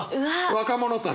若者たちよ。